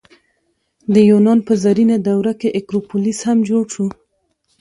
د یونان په زرینه دوره کې اکروپولیس هم جوړ شو.